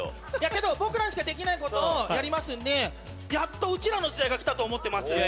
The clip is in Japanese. けど僕らにしかできない事をやりますんでやっとうちらの時代が来たと思ってます。